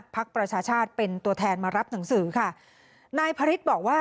พักประชาชาติเป็นตัวแทนมารับหนังสือค่ะนายพระฤทธิ์บอกว่า